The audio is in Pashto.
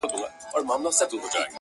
ته توپک را واخله ماته بم راکه-